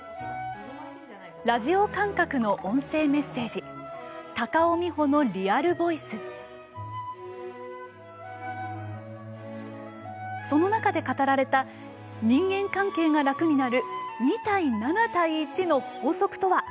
ラジオ感覚の音声メッセージその中で語られた人間関係が楽になる２：７：１の法則とは？